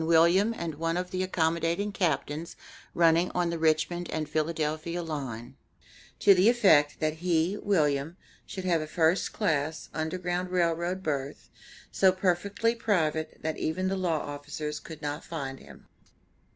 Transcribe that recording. William and one of the accommodating Captains running on the Richmond and Philadelphia Line, to the effect that he, William, should have a first class Underground Rail Road berth, so perfectly private that even the law officers could not find him.